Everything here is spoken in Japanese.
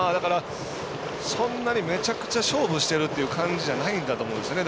そんなにめちゃくちゃ勝負してる感じじゃないんだと思いますね。